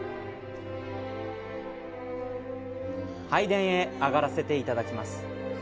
拝殿へ上がらせていただきます。